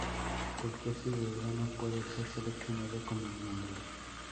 Cualquier ciudadano puede ser seleccionado como miembro.